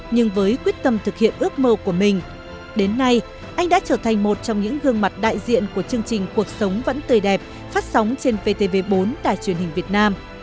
nhưng với quyết tâm thực hiện ước mơ của mình đến nay anh đã trở thành một trong những gương mặt đại diện của chương trình cuộc sống vẫn tươi đẹp phát sóng trên vtv bốn đài truyền hình việt nam